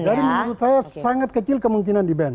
dari menurut saya sangat kecil kemungkinan di ban